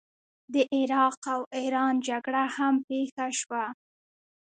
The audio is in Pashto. د عراق او ایران جګړه هم پیښه شوه.